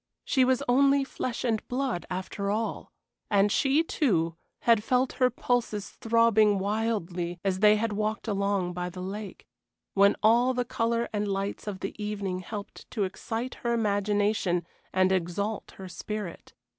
She was only flesh and blood after all, and she, too, had felt her pulses throbbing wildly as they had walked along by the lake, when all the color and lights of the evening helped to excite her imagination and exalt her spirit.